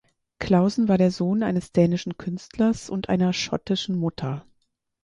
Clausen war der Sohn eines dänischen Künstlers und einer schottischen Mutter.